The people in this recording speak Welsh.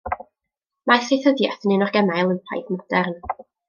Mae saethyddiaeth yn un o'r gemau Olympaidd modern.